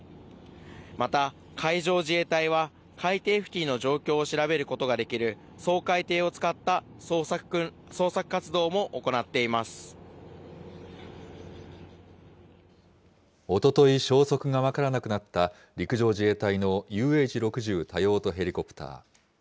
また海上自衛隊は、海底付近の状況を調べることができる掃海艇を使った捜索活動も行おととい、消息が分からなくなった陸上自衛隊のＵＨ６０多用途ヘリコプター。